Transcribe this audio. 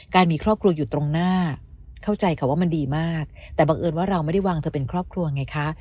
มีครอบครัวอยู่ตรงหน้าเข้าใจค่ะว่ามันดีมากแต่บังเอิญว่าเราไม่ได้วางเธอเป็นครอบครัวไงคะ